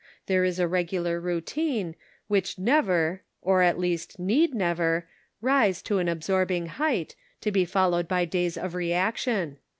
There is a regular routine, which never, or at least need never, rise to an absorb ing height, to be followed by days of reaction.